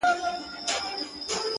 يو زرو اوه واري مي ښكل كړلې-